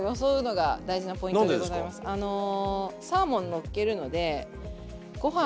あのサーモンのっけるのでご飯